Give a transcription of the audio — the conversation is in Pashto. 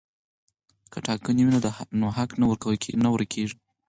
که ټاکنې وي نو حق نه ورک کیږي.